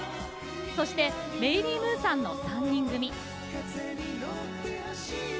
そしてメイリー・ムーさんの３人組。